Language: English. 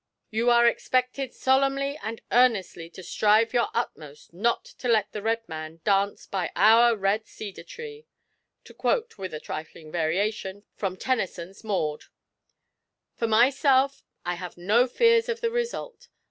You are expected solemnly and earnestly to strive your utmost not to Let the red man dance By our red cedar tree, to quote (with a trifling variation) from Tennyson's "Maud." For myself, I have no fears of the result.